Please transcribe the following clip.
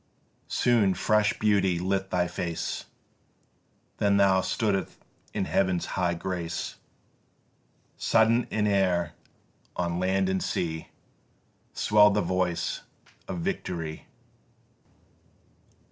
Soon fresh beauty lit thy face, Then thou stood'st in Heaven's high grace: Sudden in air on land and sea Swell'd the voice of victory.